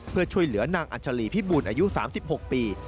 เพื่อช่วยเหลือนางอัชลีพิบูรอายุ๓๖ปี